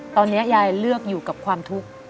ตอนนี้ยายเลือกอยู่กับความทุกข์